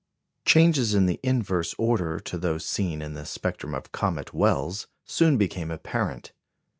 Changes in the inverse order to those seen in the spectrum of comet Wells soon became apparent.